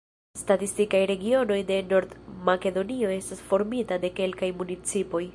Statistikaj regionoj de Nord-Makedonio estas formita de kelkaj municipoj.